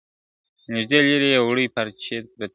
نیژدې لیري یې وړې پارچې پرتې وي `